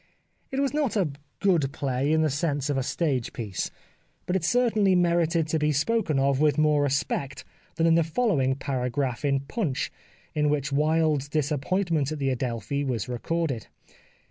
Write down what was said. It was not a good play in the sense of a stage piece. But it certainly merited to be spoken of with more respect than in the following paragraph in Punch, in which Wilde's disappoint ment at the Adelphi was recorded.